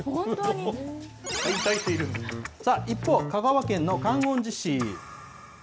さあ、一方、香川県の観音寺市。